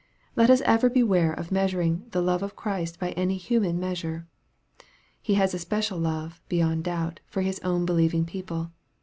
Let us ever beware of measuring the love of Christ by any human measure. He has a special love, beyond doubt, for His own believ ing people.